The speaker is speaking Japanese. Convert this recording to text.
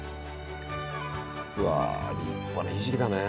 うわ立派なひじきだね。